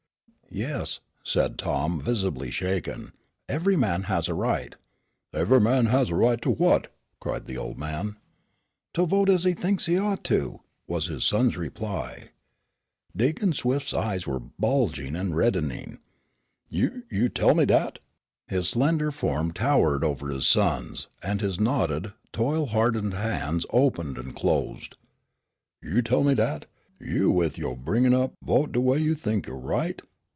"Yes," said Tom, visibly shaken; "every man has a right " "Evah man has a right to what?" cried the old man. "To vote as he thinks he ought to," was his son's reply. Deacon Swift's eyes were bulging and reddening. "You you tell me dat?" His slender form towered above his son's, and his knotted, toil hardened hands opened and closed. "You tell me dat? You with yo' bringin' up vote de way you think you're right?